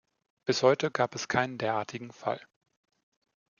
Bis heute gab es keinen derartigen Fall.